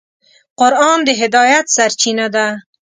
قرآن د هدایت سرچینه ده.